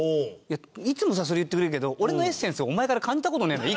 いつもさそれ言ってくれるけど俺のエッセンスをお前から感じた事ねえんだよ